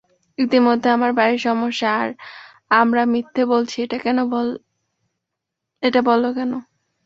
ইতিমধ্যে, আমার বাড়িতে সমস্যা, আর আমরা মিথ্যা বলছি এটা বলল কেন?